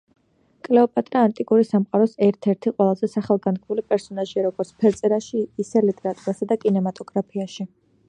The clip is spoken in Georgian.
კლეოპატრა ანტიკური სამყაროს ერთ-ერთი ყველაზე სახელგანთქმული პერსონაჟია როგორც ფერწერაში, ისე ლიტერატურასა და კინემატოგრაფში.